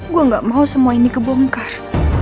gue gak mau semua ini kebongkar